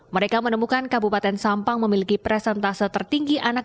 mereka menemukan kabupaten sampang memiliki presentase tertinggi anak